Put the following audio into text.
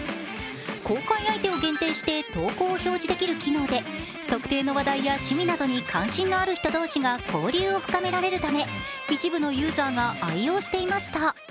公開相手を限定して投稿を表示できる機能で、特定の話題や趣味などに関心のある人同士が交流を深められるため一部のユーザーが愛用していました。